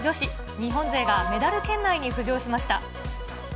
日本勢がメダル圏内に浮上しました。